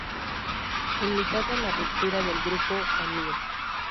En mitad de la ruptura del grupo, a Mr.